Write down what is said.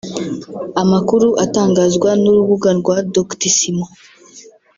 Amakuru atangazwa n’urubuga rwa doctissimo